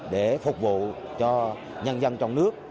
để phục vụ cho nhân dân trong nước